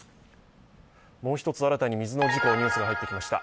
もう一つ、新たに水の事故のニュースが入ってきました。